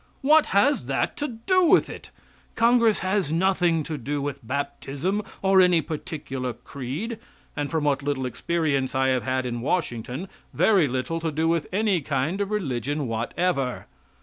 What has that to do with it? Congress has nothing to do with baptism or any particular creed, and from what little experience I have had in Washington, very little to do with any kind of religion whatever.